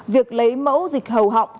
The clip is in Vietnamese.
việc lấy mẫu dịch hầu họng